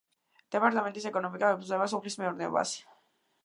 დეპარტამენტის ეკონომიკა ეფუძნება სოფლის მეურნეობას.